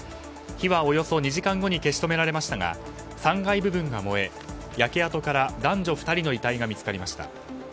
火はおよそ２時間後に消し止められましたが３階部分が燃え、焼け跡から男女２人の遺体が見つかりました。